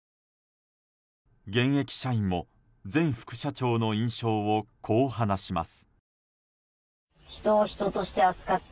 現役社員も前副社長の印象をこう話します。